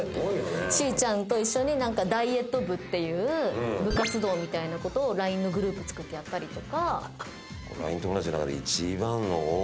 しーちゃんと一緒にダイエット部っていう部活動みたいなことをＬＩＮＥのグループ作ってやったりとか。